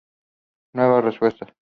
Nuevas respuestas.